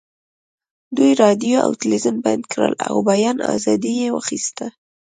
دوی راډیو او تلویزیون بند کړل او بیان ازادي یې واخیسته